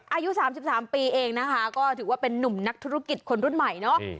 อายุ๓๓ปีเองนะคะก็ถือว่าเป็นนุ่มนักธุรกิจคนรุ่นใหม่เนาะ